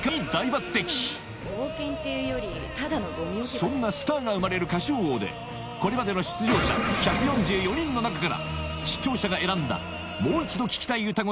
そんなスターが生まれる『歌唱王』でこれまでの出場者１４４人の中から視聴者が選んだもう一度聴きたい歌声